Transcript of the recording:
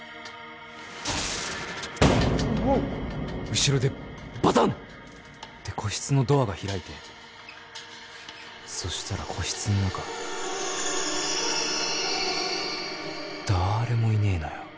後ろでバタンって個室のドアが開いてそしたら個室の中だーれもいねえのよ